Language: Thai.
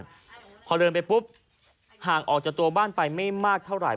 ไปดูหลังบ้านพอเริ่มไปปุ๊บห่างออกจากตัวบ้านไปไม่มากเท่าไหร่